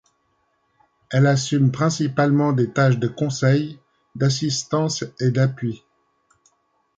Elle assume principalement des tâches de conseil, d'assistance et d'appui.